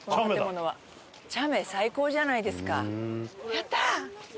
やった！